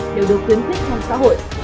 đều được tuyến thích trong xã hội